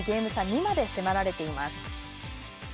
２まで迫られています。